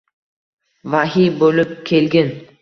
vahiy bo’lib kelgin